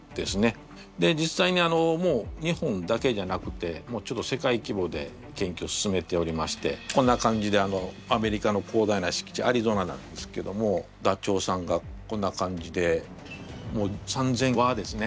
で実際にもう日本だけじゃなくて世界きぼで研究を進めておりましてこんな感じでアメリカの広大な敷地アリゾナなんですけどもダチョウさんがこんな感じでもう３，０００わですね。